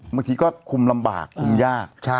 บางทีก็คุมลำบากคุมยาก